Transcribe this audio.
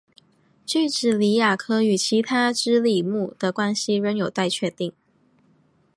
锯脂鲤亚科与其他脂鲤目的关系仍有待确定。